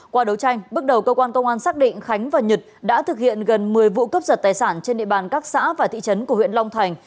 qua đấu tranh bước đầu cơ quan công an xác định khánh và nhật đã thực hiện gần một mươi vụ cướp giật tài sản trên địa bàn các xã và thị trấn của huyện long thành